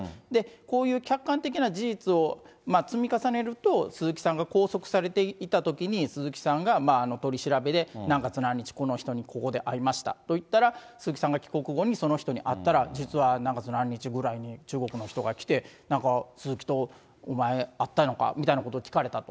こういう客観的な事実を積み重ねると、鈴木さんが拘束されていたときに、鈴木さんが取り調べで、何月何日、この人にここで会いましたと言ったら、鈴木さんが帰国後にその人に会ったら、実はなんか、何月何日くらいに中国の人が来て、なんか鈴木とお前、あったのかみたいなことを聞かれたと。